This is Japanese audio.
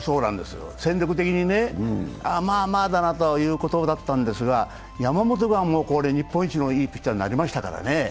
戦力的にまあまあだなということだったんですが、山本が日本一のいいピッチャーになりましたからね。